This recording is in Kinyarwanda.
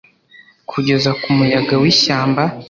Kugeza ku muyaga wishyamba